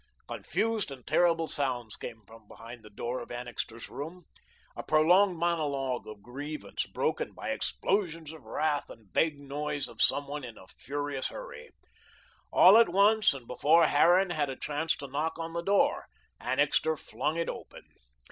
Confused and terrible sounds came from behind the door of Annixter's room. A prolonged monologue of grievance, broken by explosions of wrath and the vague noise of some one in a furious hurry. All at once and before Harran had a chance to knock on the door, Annixter flung it open.